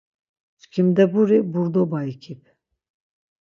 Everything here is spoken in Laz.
Çkimdeburi burdoba ikip.